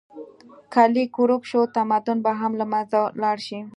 که لیک ورک شو، تمدن به هم له منځه لاړ شي.